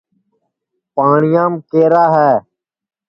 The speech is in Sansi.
پاٹٹؔیام کیرا ہے